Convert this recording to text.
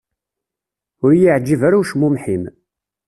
Ur i-yeεǧib ara ucmumeḥ-im.